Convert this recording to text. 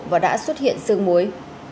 và đã xuất hiện sương muối